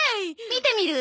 見てみる？